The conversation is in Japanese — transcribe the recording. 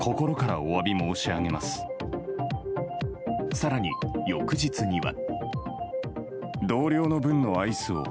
更に翌日には。